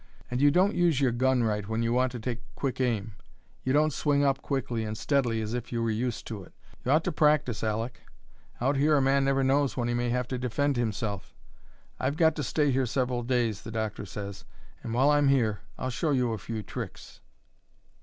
And you don't use your gun right when you want to take quick aim: you don't swing it up quickly and steadily, as if you were used to it. You ought to practise, Aleck. Out here a man never knows when he may have to defend himself. I've got to stay here several days, the doctor says; and while I'm here I'll show you a few tricks."